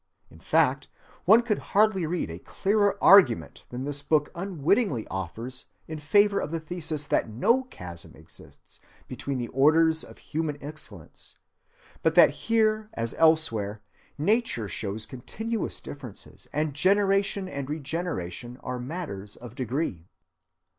In fact, one could hardly read a clearer argument than this book unwittingly offers in favor of the thesis that no chasm exists between the orders of human excellence, but that here as elsewhere, nature shows continuous differences, and generation and regeneration are matters of degree.